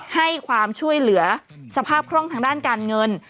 ให้ความช่วยเหลือสภาพคล่องทางด้านการเงิน